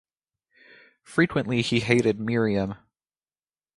Frequently he hated Miriam.